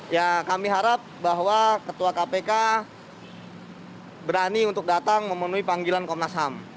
ya kami harap bahwa ketua kpk berani untuk datang memenuhi panggilan komnas ham